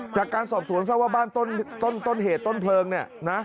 จากการสอบสวนทราบว่าบ้านต้นเหตุต้นเพลิงเนี่ยนะ